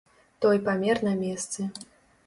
Той памер на месцы.